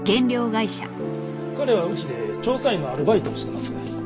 彼はうちで調査員のアルバイトをしてます。